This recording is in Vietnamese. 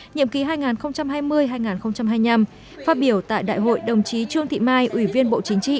nhiệm ký hai nghìn hai mươi hai nghìn hai mươi năm phát biểu tại đại hội đồng chí trương thị mai ủy viên bộ chính trị